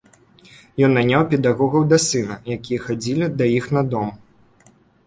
Ён наняў педагогаў для сына, якія хадзілі да іх на дом.